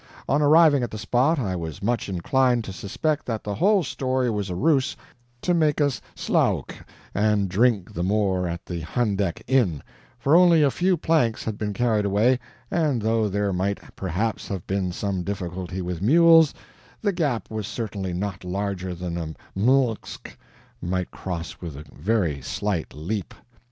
On arriving at the spot, I was much inclined to suspect that the whole story was a ruse to make us SLOWWK and drink the more at the Handeck Inn, for only a few planks had been carried away, and though there might perhaps have been some difficulty with mules, the gap was certainly not larger than a MMBGLX might cross with a very slight leap.